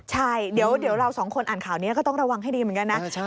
ใช่เดี๋ยวเราสองคนอ่านข่าวนี้ก็ต้องระวังให้ดีเหมือนกันนะ